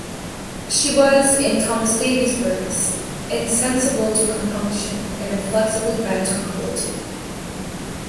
She was, in Thomas Davies' words, insensible to compunction and inflexibly bent on cruelty.